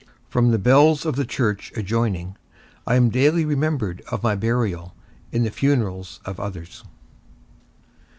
_From the bells of the church adjoining, I am daily remembered of my burial in the funerals of others.